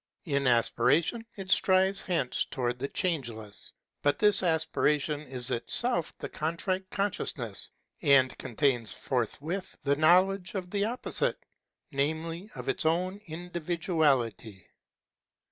In aspiration it strives hence towards the Change less. But this aspiration is itself the Contrite Consciousness, and contains forthwith the knowledge of the opposite, namely of its own individuality.